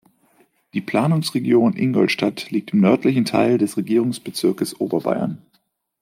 Die Planungsregion Ingolstadt liegt im nördlichen Teil des Regierungsbezirkes Oberbayern.